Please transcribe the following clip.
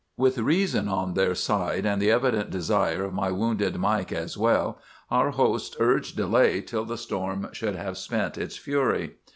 "With reason on their side, and the evident desire of my wounded Mike as well, our hosts urged delay till the storm should have spent its fury.